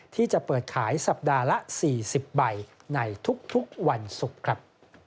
ที่จะเปิดขายสัปดาห์ละ๔๐ใบในทุกวันศุกร์ครับ